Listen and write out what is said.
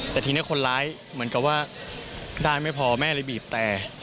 แต่ทีนี้คนร้ายเหมือนกับว่าได้ไม่พอแม่เลยบีบแต่